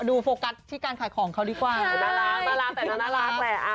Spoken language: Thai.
โฟกัสที่การขายของเขาดีกว่าน่ารักแต่น่ารักแหละ